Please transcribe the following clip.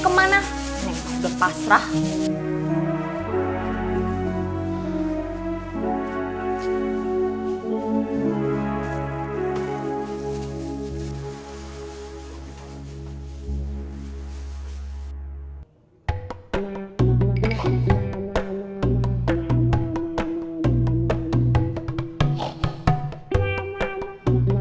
gampang bisa jadi kaya raya